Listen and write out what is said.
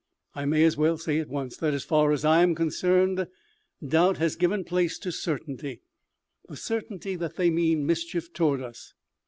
I may as well say at once that, so far as I am concerned, doubt has given place to certainty the certainty that they mean mischief towards us.